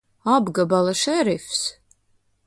Apgabala šerifs!